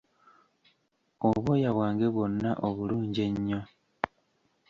Obwoya bwange bwonna obulungi ennyo!